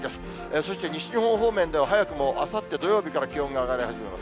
そして西日本方面では早くもあさって土曜日から気温が上がり始めます。